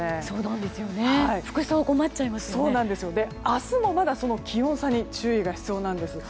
明日もまだ、その気温差に注意が必要なんです。